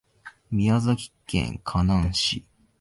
宮崎県日南市